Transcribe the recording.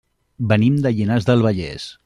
Venim de Llinars del Vallès.